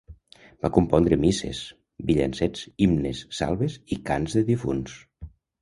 Va compondre misses, villancets, himnes, salves i cants de difunts.